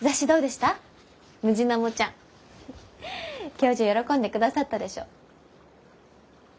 教授喜んでくださったでしょ？